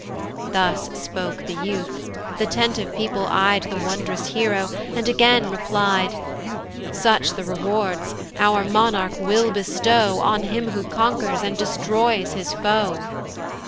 Thus spoke the youth, th' attentive people ey'd The wond'rous hero, and again reply'd: "Such the rewards our monarch will bestow, "On him who conquers, and destroys his foe."